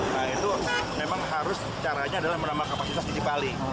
nah itu memang harus caranya adalah menambah kapasitas di cipali